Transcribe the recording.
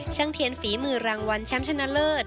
เทียนฝีมือรางวัลแชมป์ชนะเลิศ